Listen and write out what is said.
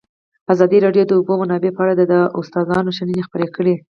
ازادي راډیو د د اوبو منابع په اړه د استادانو شننې خپرې کړي.